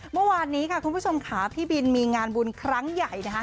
เมื่อวานนี้ค่ะคุณผู้ชมค่ะพี่บินมีงานบุญครั้งใหญ่นะคะ